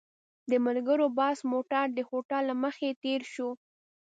د ملګرو بس موټر د هوټل له مخې تېر شو.